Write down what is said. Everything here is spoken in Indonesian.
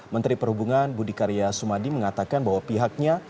menteri perhubungan budi karya sumadi mengatakan bahwa pihaknya